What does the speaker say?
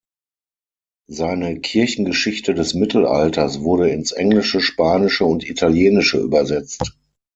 Seine "Kirchengeschichte des Mittelalters" wurde ins Englische, Spanische und Italienische übersetzt.